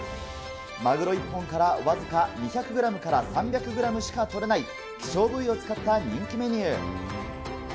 マグロ一本から僅か２００グラムから３００グラムしか取れない希少部位を使った人気メニュー。